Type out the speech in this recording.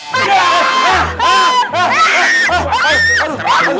kami mau selimut anak anak